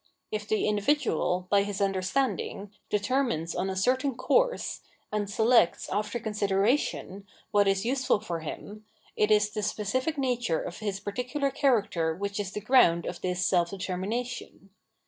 If the individual, by his understanding, determines on a certain course, and selects, after consideration, what is useful for him, it is the specific nature of his particular' character which is the ground of this self determination.